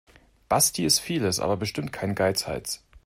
Basti ist vieles, aber bestimmt kein Geizhals.